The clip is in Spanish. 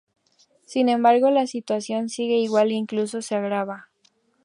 Sin embargo, la situación sigue igual e incluso se agrava.